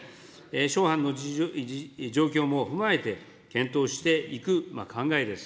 諸般の状況も踏まえて検討していく考えです。